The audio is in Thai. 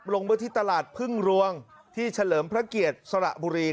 ลงบฏิตลาดเภิ่งรวงที่เฉลิมพระเกียรติสระบุรีครับ